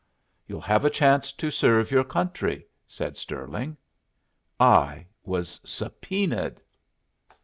"You'll have a chance to serve your country," said Stirling. I was subpoenaed!